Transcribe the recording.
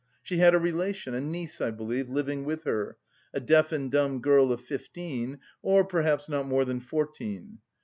She had a relation, a niece I believe, living with her, a deaf and dumb girl of fifteen, or perhaps not more than fourteen.